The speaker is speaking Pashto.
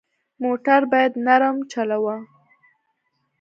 موټر باید نرم چلوه.